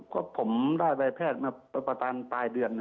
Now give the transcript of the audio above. ก็ผมได้ราโพธิผ่านบ้างประจานปลายเดือน